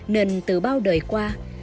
nên từ bao đời qua